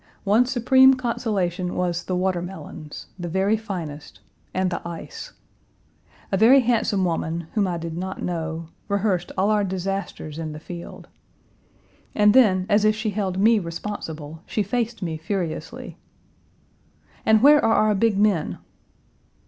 One supreme consolation was the watermelons, the very finest, and the ice. A very handsome woman, whom I did not know, rehearsed all our disasters in the field. And then, as if she held me responsible, she faced me furiously, "And where are our big men?"